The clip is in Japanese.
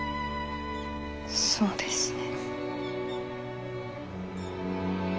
そうですね。